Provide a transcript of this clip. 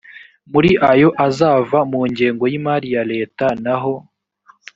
muri ayo azava mu ngengo y imari ya leta naho